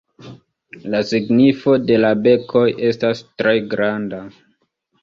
La signifo de la bekoj estas tre granda.